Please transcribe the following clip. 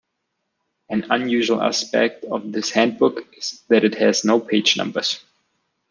An unusual aspect of this handbook is that it has no page numbers.